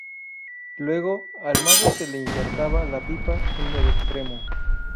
Luego, al mango se le insertaba la pipa en el extremo.